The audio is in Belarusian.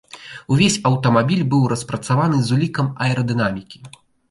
Увесь аўтамабіль быў распрацаваны з улікам аэрадынамікі.